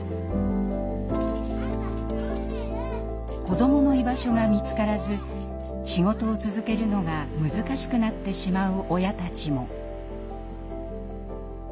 子どもの居場所が見つからず仕事を続けるのが難しくなってしまう親たちも。